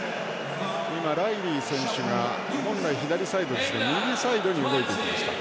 ライリー選手が本来、左サイドですが右サイドに動いていきました。